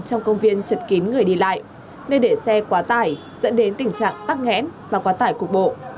trong công viên chật kín người đi lại nên để xe quá tải dẫn đến tình trạng tắc nghẽn và quá tải cục bộ